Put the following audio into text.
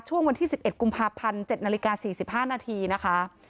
ช่วงวันที่๑๑กุมภาพันธ์๗นาฬิกา๔๕นาทีนะคะ